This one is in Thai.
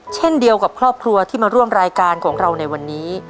เช่นเดียวกับครอบครัวที่มาร่วมรายการของเราในวันนี้